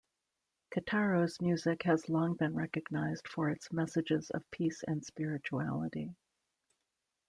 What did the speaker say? Kitaro's music has long been recognized for its messages of peace and spirituality.